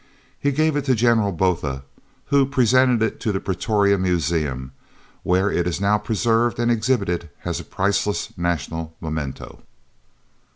He gave it to General Botha, who presented it to the Pretoria Museum, where it is now preserved and exhibited as a priceless national memento.